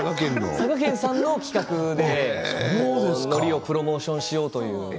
佐賀県さんの企画でプロモーションしようということで。